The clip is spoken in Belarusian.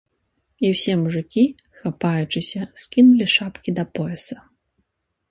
І ўсе мужыкі, хапаючыся, скінулі шапкі да пояса.